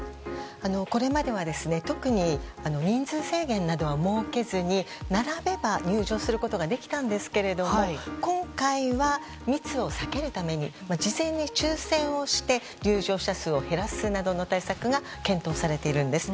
これまでは特に人数制限などは設けずに並べば入場することができたんですけれども今回は密を避けるために事前に抽選をして入場者数を減らすなどの対策が検討されているんです。